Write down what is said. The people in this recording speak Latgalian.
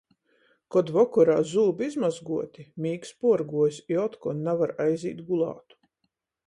Kod vokorā zūbi izmozguoti, mīgs puorguojs i otkon navar aizīt gulātu.